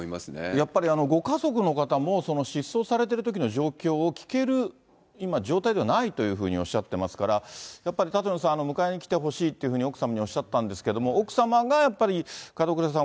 やっぱりご家族の方も、失踪されてるときの状況を聞ける今、状態ではないというふうにおっしゃっていますから、やっぱり舘野さん、迎えに来てほしいというふうに奥様におっしゃったんですけれども、奥様がやっぱり門倉さん